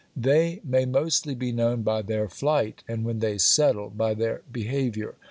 They may mostly be known by their flight, and, when they settle, by their behaviour.